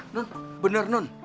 nun bener nun